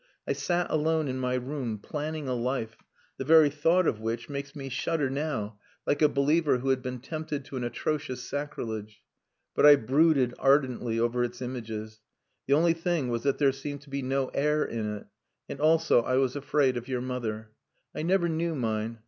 I sat alone in my room, planning a life, the very thought of which makes me shudder now, like a believer who had been tempted to an atrocious sacrilege. But I brooded ardently over its images. The only thing was that there seemed to be no air in it. And also I was afraid of your mother. I never knew mine.